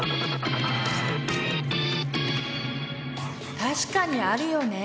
確かにあるよね。